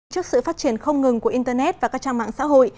trước sự phát triển không ngừng của internet và các trang mạng xã hội